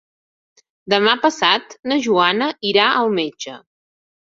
Demà passat na Joana irà al metge.